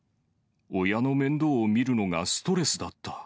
親の面倒を見るのがストレスだった。